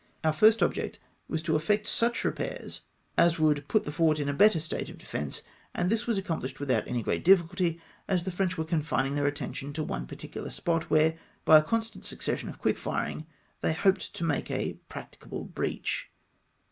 Our first object was to effect such repairs as would put the fort in a better state of defence, and this was accom phshed without any great difficulty, as the French were confinhig their attention to one particular spot, where, by a constant succession of quick firing, they hoped to make a practicable breach.